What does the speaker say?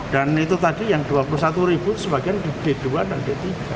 dan itu tadi yang rp dua puluh satu sebagian di d dua dan d tiga